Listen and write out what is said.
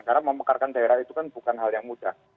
karena memekarkan daerah itu kan bukan hal yang mudah